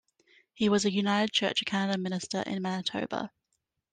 He was a United Church of Canada minister in Manitoba.